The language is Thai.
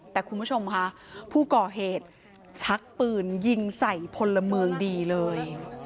แต่คุณผู้ชมค่ะผู้ก่อเหตุชักปืนยิงใส่พลเมืองดีเลย